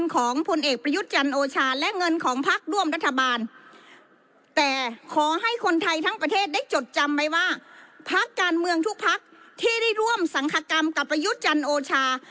การเมืองทุกพักที่ได้ร่วมสังคกรรมกับประยุทธ์จันทร์โอชา